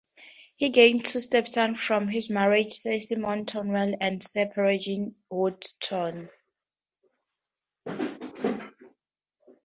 He gained two stepsons from this marriage; Sir Simon Towneley and Sir Peregrine Worsthorne.